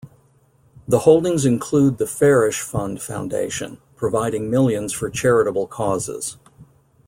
The holdings include the Farish Fund foundation, providing millions for charitable causes.